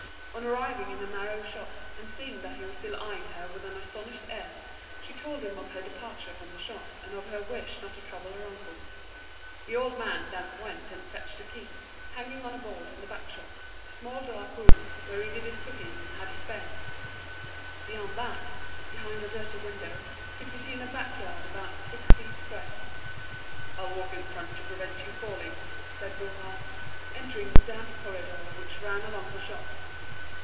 On arriving in the narrow shop, and seeing that he was still eyeing her with an astonished air, she told him of her departure from the shop and of her wish not to trouble her uncle. The old man then went and fetched a key hanging on a board in the back shop, a small dark room, where he did his cooking and had his bed; beyond that, behind a dirty window, could be seen a back yard about six feet square. "I'll walk in front to prevent you falling," said Bourras, entering the damp corridor which ran along the shop.